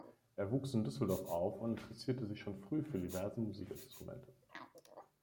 Er wuchs in Düsseldorf auf und interessierte sich schon früh für diverse Musikinstrumente.